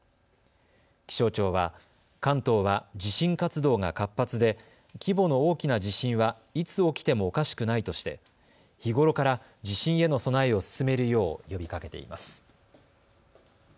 気象庁は関東は地震活動が活発で規模の大きな地震は、いつ起きてもおかしくないとして日頃から地震への備えを進めるよう呼びかけています。